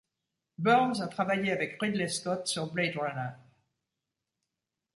Burns a travaillé avec Ridley Scott sur Blade Runner.